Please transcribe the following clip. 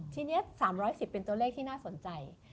ทีนี้๓๑๐เป็นตัวเลขที่น่าสนใจ